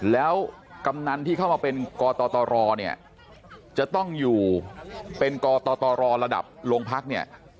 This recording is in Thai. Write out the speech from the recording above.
แล้วกำนันที่เข้ามาเป็นกตรเนี่ยจะต้องอยู่เป็นกตรระดับโรงพักเนี่ย